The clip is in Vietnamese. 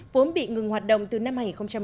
vốn bị ngừng hoạt động từ năm hai nghìn một mươi